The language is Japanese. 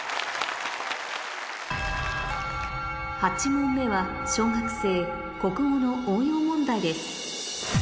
８問目は小学生国語の応用問題です